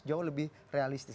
jauh lebih realistis